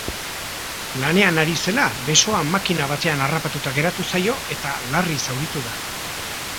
Lanean ari zela besoa makina batean harrapatuta geratu zaio eta larri zauritu da.